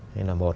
thế là một